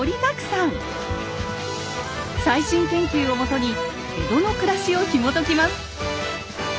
最新研究をもとに江戸の暮らしをひもときます。